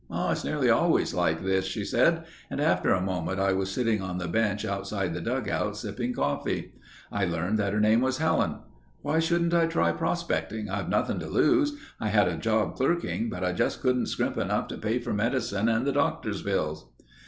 "It's nearly always like this," she said and after a moment I was sitting on the bench outside the dugout sipping coffee. I learned that her name was Helen. "Why shouldn't I try prospecting? I've nothing to lose. I had a job clerking, but I just couldn't scrimp enough to pay for medicine and the doctors' bills."